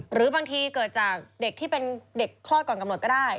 หรือบางทีเกิดจากเด็กที่เป็นเด็กคลอดก่อนกำหนดก็ได้